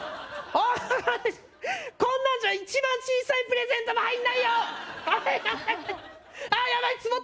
こんなんじゃ一番小さいプレゼントも入んないよアッハッハッハあーっ